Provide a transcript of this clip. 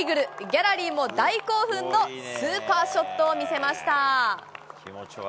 ギャラリーも大興奮のスーパーショットを見せました。